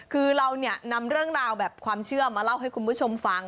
คือเราเนี่ยนำเรื่องราวแบบความเชื่อมาเล่าให้คุณผู้ชมฟัง